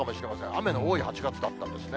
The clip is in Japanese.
雨の多い８月だったんですね。